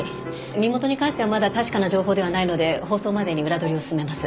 身元に関してはまだ確かな情報ではないので放送までに裏取りを進めます。